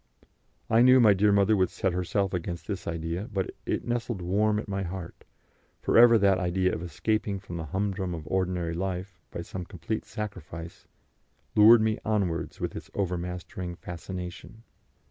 I knew my dear mother would set herself against this idea, but it nestled warm at my heart, for ever that idea of escaping from the humdrum of ordinary life by some complete sacrifice lured me onwards with its overmastering fascination.